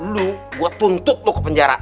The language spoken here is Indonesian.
lu gua tuntut lu ke penjara